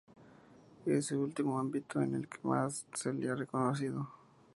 Es este último ámbito en el que más se le ha reconocido.